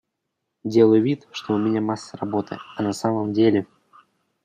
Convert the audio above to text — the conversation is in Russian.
Делаю вид, что у меня масса работы, а на самом деле.